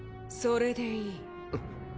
それでいい。